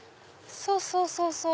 そうそうそうそう！